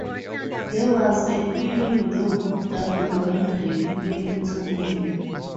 There was a feeling, though, that we weren't really planning to win.